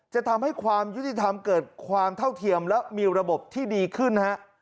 จะทำให้ความยุติธรรมเกิดความเท่าเทียมและมีระบบที่ดีขึ้นฮะ